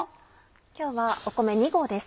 今日は米２合です。